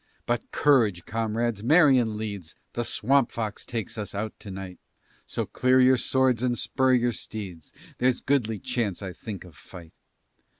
But courage, comrades! Marion leads, The Swamp Fox takes us out to night; So clear your swords and spur your steeds, There's goodly chance, I think, of fight.